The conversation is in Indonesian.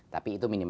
tapi itu yang pertama